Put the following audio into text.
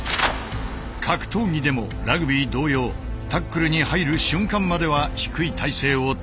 格闘技でもラグビー同様タックルに入る瞬間までは低い体勢をとらない。